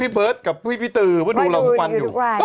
ดีกันตลอด